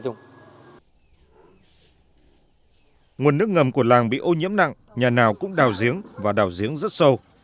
nguồn nước ngầm của làng bị ô nhiễm nặng nhà nào cũng đào giếng và đào giếng rất sâu